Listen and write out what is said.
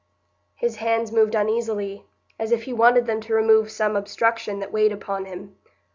His hands moved uneasily, as if he wanted them to remove some obstruction that weighed upon him.